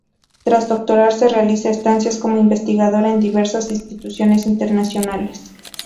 Tras doctorarse realiza estancias como investigadora en diversas instituciones internacionales.